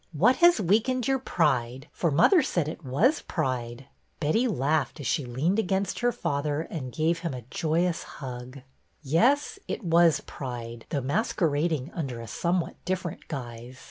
What has weakened your pride, for mother said it was pride ?" Betty laughed, as she leaned against her father and gave him a joyous hug. " Yes, it was pride, though masquerading under a somewhat different guise.